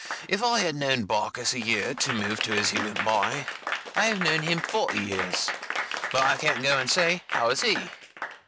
If I have known Barkis a year, to move to as he went by, I have known him forty years. But I can't go and say, "how is he?"